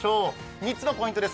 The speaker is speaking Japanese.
３つのポイントです。